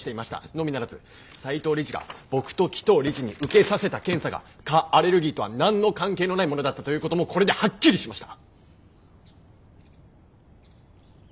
のみならず斎藤理事が僕と鬼頭理事に受けさせた検査が蚊アレルギーとは何の関係のないものだったということもこれではっきりしました。